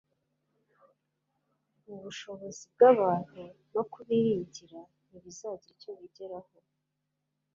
Ubushobozi bw’abantu no kubiringira ntibizagira icyo bigeraho